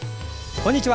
こんにちは。